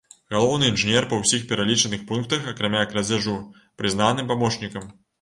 Галоўны інжынер па ўсіх пералічаных пунктах, акрамя крадзяжу, прызнаны памочнікам.